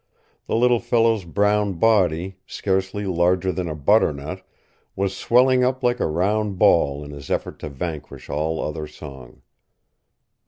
The little fellow's brown body, scarcely larger than a butternut, was swelling up like a round ball in his effort to vanquish all other song.